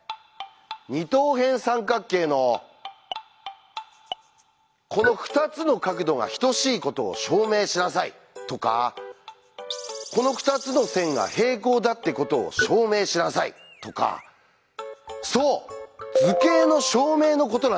「二等辺三角形のこの２つの角度が等しいことを証明しなさい」とか「この２つの線が平行だってことを証明しなさい」とかそう「図形」の証明のことなんです。